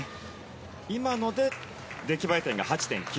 今ので出来栄え点が８．９。